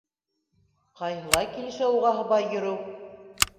Ҡайһылай килешә уға һыбай йөрөү!